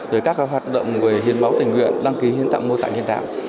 với các hoạt động về hiến báo tình nguyện đăng ký hiến tạo mô tả nhân đạo